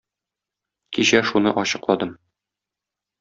Кичә шуны ачыкладым